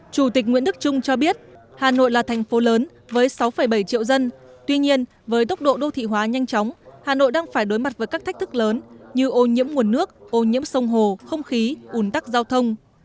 chủ tịch nguyễn đức trung cho biết hà nội là thành phố lớn với sáu bảy triệu dân tuy nhiên với tốc độ đô thị hóa nhanh chóng hà nội đang phải đối mặt với các thách thức lớn như ô nhiễm nguồn nước ô nhiễm sông hồ không khí ủn tắc giao thông